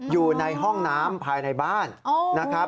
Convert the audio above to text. อยู่ในห้องน้ำภายในบ้าน